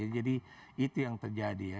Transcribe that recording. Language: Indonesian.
jadi itu yang terjadi ya